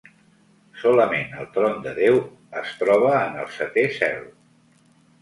Solament el Tron de Déu es troba en el setè cel.